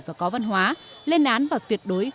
và có văn hóa lên án và tuyệt đối